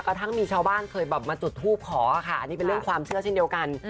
กระทั่งมีชาวบ้านเคยแบบมาจุดทูปขอค่ะอันนี้เป็นเรื่องความเชื่อเช่นเดียวกัน